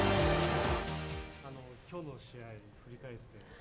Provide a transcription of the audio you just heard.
今日の試合振り返ってい